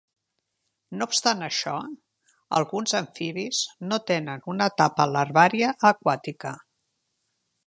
No obstant això, alguns amfibis no tenen una etapa larvària aquàtica.